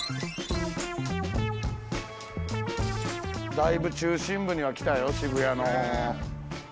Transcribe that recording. だいぶ中心部には来たよ渋谷の。